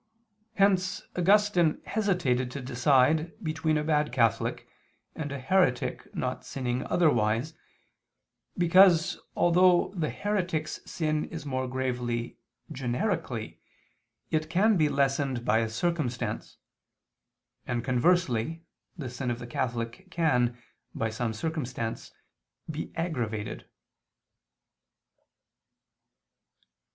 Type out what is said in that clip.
Hence Augustine hesitated to decide between a bad Catholic, and a heretic not sinning otherwise, because although the heretic's sin is more grave generically, it can be lessened by a circumstance, and conversely the sin of the Catholic can, by some circumstance, be aggravated.